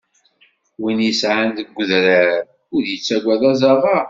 Win yesεan deg d urar ur yettagad azaɣaṛ